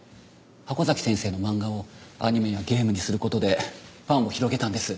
箱崎先生の漫画をアニメやゲームにする事でファンを広げたんです。